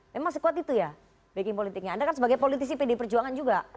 memang sekuat itu ya backing politiknya anda kan sebagai politisi pd perjuangan juga